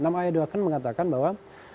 enam ayat dua kan mengatakan bahwa